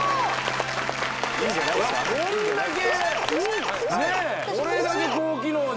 こんだけね